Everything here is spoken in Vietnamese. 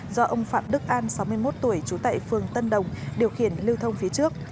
do ông phạm đức an sáu mươi một tuổi trú tại phường tân đồng điều khiển lưu thông phía trước